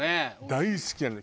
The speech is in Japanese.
大好きなの。